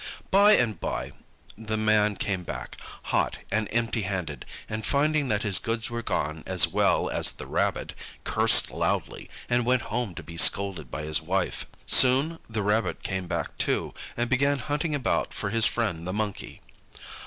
By and by the man came back, hot and empty handed, and finding that his goods were gone as well as the Rabbit, cursed loudly, and went home to be scolded by his wife. Soon the Rabbit came back too, and began hunting about for his friend the Monkey.